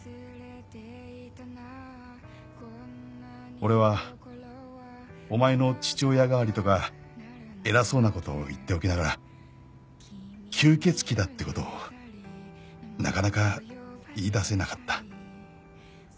「俺はお前の父親代わりとかエラそうなことを言っておきながら吸血鬼だってことをなかなか言い出せなかった」